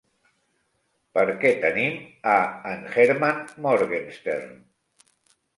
Per què, tenim a en Herman Morgenstern.